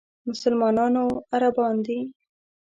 مسلمانانو عربان دي.